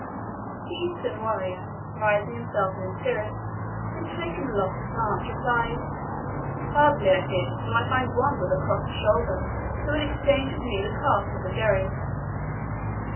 The Eastern warrior, raising himself in his stirrups, and shaking aloft his lance, replied, "Hardly, I fear, shall I find one with a crossed shoulder who will exchange with me the cast of the jerrid."